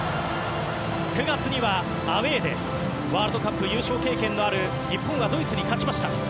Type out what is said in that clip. ９月にはアウェーでワールドカップ優勝経験のある日本がドイツに勝ちました。